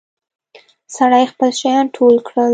سړي خپل شيان ټول کړل.